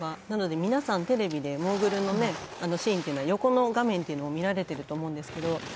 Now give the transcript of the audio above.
なので、皆さんテレビでモーグルのシーンというのは横の画面っていうのを見られていると思うんですけど。